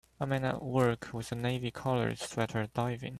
A man at work with a navy colored sweater diving.